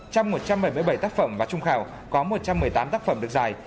trong một trăm bảy mươi bảy tác phẩm và trung khảo có một trăm một mươi tám tác phẩm được giải